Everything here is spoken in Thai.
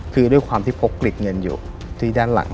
คือด้วยความที่พกกลิดเงินอยู่ที่ด้านหลัง